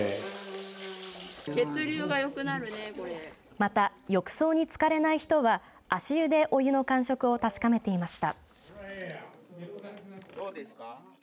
また、浴槽につかれない人は足湯でお湯の感触を確かめていました。